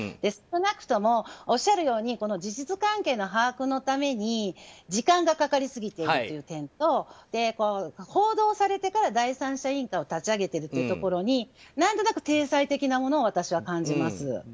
少なくともおっしゃるように事実関係の把握のために時間がかかりすぎているという点と報道されてから第三者委員会を立ち上げているところに何となく体裁的なものを感じます。